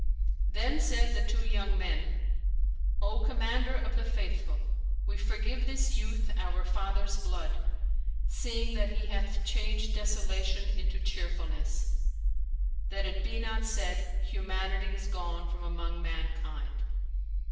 Then said the two young men, "O Commander of the Faithful, we forgive this youth our father's blood, seeing that he hath changed desolation into cheerfulness; that it be not said, Humanity is gone from among mankind."